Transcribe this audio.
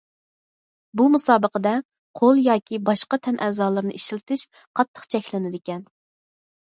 بۇ مۇسابىقىدە قول ياكى باشقا تەن ئەزالىرىنى ئىشلىتىش قاتتىق چەكلىنىدىكەن.